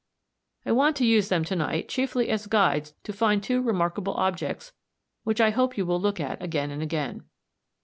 I want to use them to night chiefly as guides to find two remarkable objects which I hope you will look at again and again.